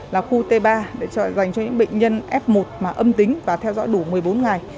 là khu t ba để dành cho những bệnh nhân f một mà âm tính và theo dõi đủ một mươi bốn ngày